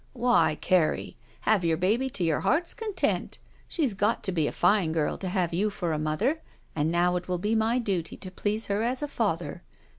"Why, Carrie, have your baby to your heart's content ! She's got to be a fine girl to have you for a mother, and now it will be my duty to please her as a father.